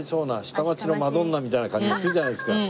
下町のマドンナみたいな感じがするじゃないですか。